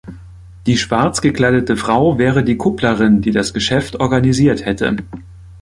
Die schwarz gekleidete Frau wäre die Kupplerin, die das Geschäft organisiert hätte.